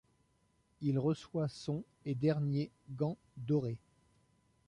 Il reçoit son et dernier Gant doré.